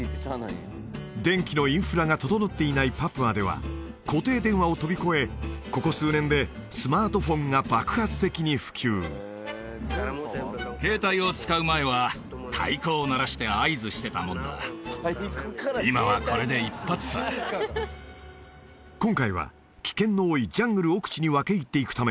電気のインフラが整っていないパプアでは固定電話を飛び越えここ数年で今回は危険の多いジャングル奥地に分け入っていくため